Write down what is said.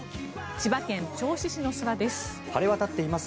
千葉県銚子市の空です。